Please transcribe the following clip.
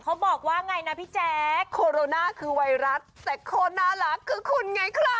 เขาบอกว่าไงนะพี่แจ๊คโคโรนาคือไวรัสแต่โคน่ารักคือคุณไงครับ